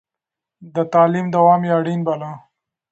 د تعليم دوام يې اړين باله.